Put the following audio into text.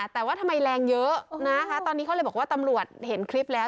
แต่ว่าทำไมแรงเยอะนะคะตอนนี้เขาเลยบอกว่าตำรวจเห็นคลิปแล้ว